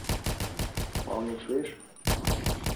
Палымет шуэш?